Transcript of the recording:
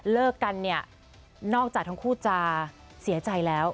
เลิกกันเนี่ยนอกจากทั้งคู่จะเสียใจแล้ว